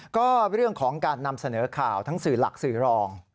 ก็เรื่องของการนำเสนอข่าวทั้งสื่อหลักสื่อรอง